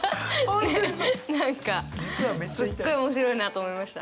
何かすっごい面白いなと思いました。